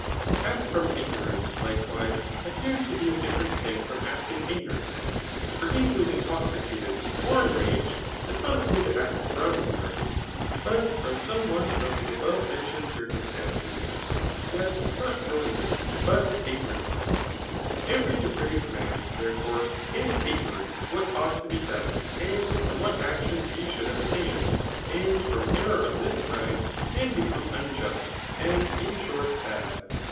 To ac( Jrom ignorance^ likewise, appears to be a different thing from acting ignorantly ; for he who is intoxicated or en * raged, does not appear to act from ignorance, but from ' some one of the above mentioned circumstances j yet not knowingly, but ignorantly* Every depraved roafi, there fore, is ignorant what ought to be done, and from what actions he should abstain ; and from error of this kind^ Digitized by Google CtiAP. U ETHICS. 79 xbea become unjust, and in short bad.